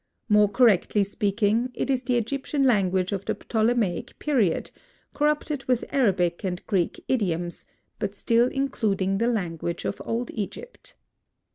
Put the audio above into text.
More correctly speaking, it is the Egyptian language of the Ptolemaic period, corrupted with Arabic and Greek idioms, but still including the language of old Egypt.